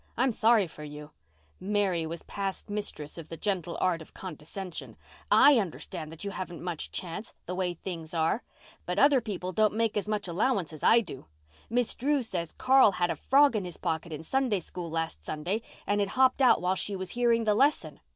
I'm sorry for you"—Mary was past mistress of the gentle art of condescension. "I understand that you haven't much chance, the way things are. But other people don't make as much allowance as I do. Miss Drew says Carl had a frog in his pocket in Sunday School last Sunday and it hopped out while she was hearing the lesson.